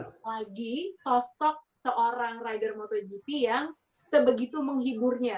jadi menurut aku dia itu lagi sosok seorang rider motogp yang sebegitu menghiburnya